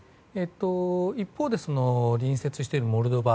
一方で、隣接しているモルドバ。